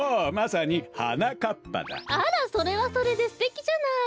あらそれはそれですてきじゃない。